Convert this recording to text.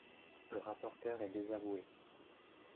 Le rapporteur est désavoué